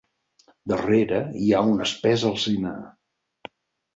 Darrere, hi ha un espès alzinar.